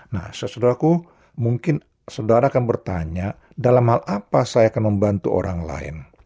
nah saudara saudaraku mungkin saudara akan bertanya dalam hal apa saya akan membantu orang lain